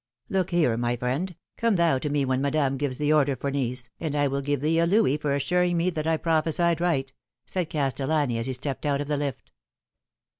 "Look here, my friend, come thou to me when madam o gives the order for Nice, and I will give thee a louis for assuring me that I prophesied right," said Castellani, as he stepped out of the lift.